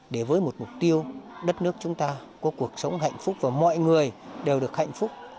để với một mục tiêu đất nước chúng ta có cuộc sống hạnh phúc và mọi người đều được hạnh phúc